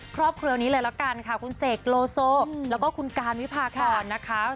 ครอบครัวนี้เลยค่ะอ